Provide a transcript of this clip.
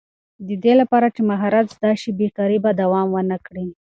د دې لپاره چې مهارت زده شي، بېکاري به دوام ونه کړي.